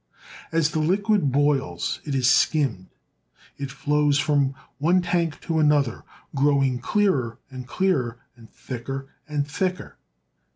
As the liquid boils, it is skimmed. It flows from one tank to another, growing clearer and clearer, and thicker and thicker.